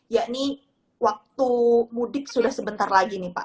ya ini waktu mudik sudah sebentar lagi nih pak